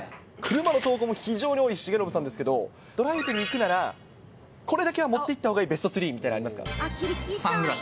車の投稿も非常に多い重信さんですけれども、ドライブに行くなら、これだけは持っていったほうがいいベスト３みたいなのありますか？